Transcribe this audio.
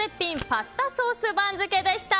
パスタソース番付でした。